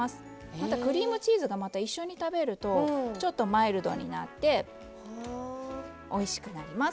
クリームチーズがまた一緒に食べるとちょっとマイルドになっておいしくなります。